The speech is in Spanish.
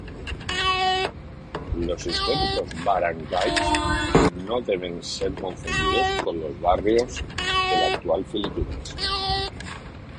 Los históricos barangays no deben ser confundidos con los barrios de la actual Filipinas.